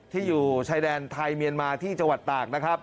อยู่ชายแดนไทยเมียนมาที่จังหวัดตากนะครับ